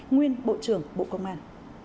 nguyên bộ trưởng bộ công an